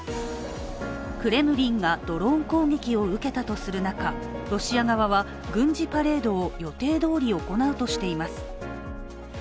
クレムリンがドローン攻撃を受けたとする中、ロシア側は軍事パレードを予定どおり行うとしています。